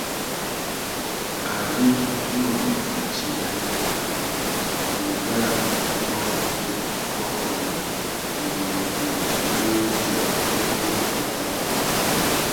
Ari tu mà mù fatiya, ikūh yâā i mà kutu fuáffuana nà ikūh nà nidjô unú fuári.